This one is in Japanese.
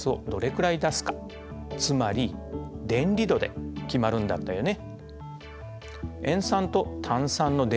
つまり電離度で決まるんだったよね。